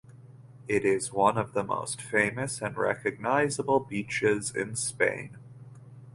It is one of the most famous and recognizable beaches in Spain.